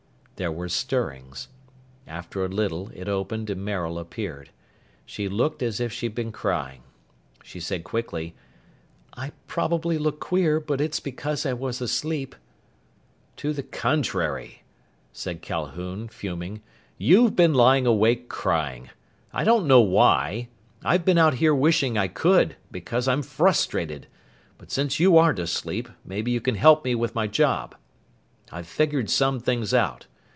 There were stirrings. After a little it opened and Maril appeared. She looked as if she'd been crying. She said, quickly, "I probably look queer, but it's because I was asleep." "To the contrary," said Calhoun, fuming. "You've been lying awake crying. I don't know why. I've been out here wishing I could, because I'm frustrated. But since you aren't asleep maybe you can help me with my job. I've figured some things out.